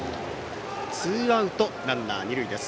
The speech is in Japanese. ツーアウトランナー、二塁です。